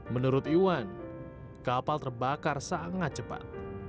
menurut iwan kapal terbakar sangat cepat